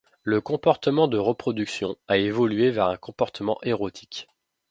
Le comportement de reproduction a évolué vers un comportement érotique.